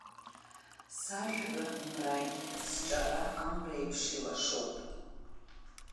Сажәра-мрагь, сҿара амреиԥш илашоуп…